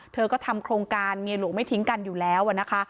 เธอก็ทำโครงการเมียหลวงไม่ทิ้งกันอยู่แล้วนะคะ